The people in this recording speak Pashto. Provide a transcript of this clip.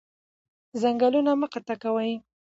ځنګلونه مه قطع کوئ